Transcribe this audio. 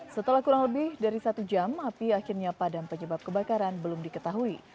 setelah kurang lebih dari satu jam api akhirnya padam penyebab kebakaran belum diketahui